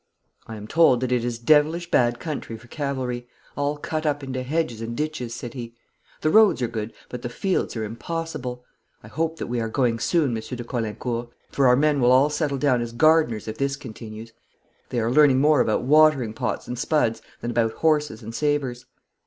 'I am told that it is devilish bad country for cavalry all cut up into hedges and ditches,' said he. 'The roads are good, but the fields are impossible. I hope that we are going soon, Monsieur de Caulaincourt, for our men will all settle down as gardeners if this continues. They are learning more about watering pots and spuds than about horses and sabres.'